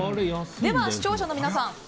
では視聴者の皆さん